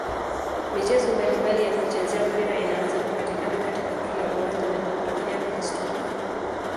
Michezo mbalimbali ya kuchezea mpira inaweza kupatikana katika kila uwanja wa jiografia na historia.